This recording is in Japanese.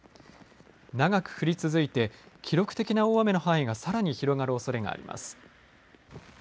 長く降り続いて記録的な大雨の範囲がさらに広がるおそれがあります。